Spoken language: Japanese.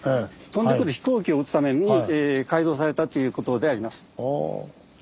飛んでくる飛行機を撃つために改造されたっていうことであります。